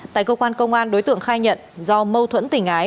tại cơ quan công an đối tượng khai nhận do mâu thuẫn tình ái